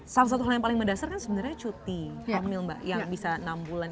salah satu hal yang paling mendasar kan sebenarnya cuti hamil mbak yang bisa enam bulan